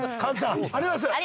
ありがとうございます。